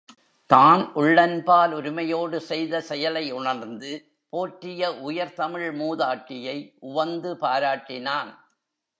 தான் உள்ளன்பால் உரிமையோடு செய்த செயலை உணர்ந்து போற்றிய உயர்தமிழ் மூதாட்டியை உவந்து பாராட்டினான்.